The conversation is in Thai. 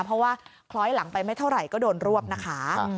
เพราะว่าคล้อยหลังไปไม่เท่าไหร่ก็โดนรวบนะคะ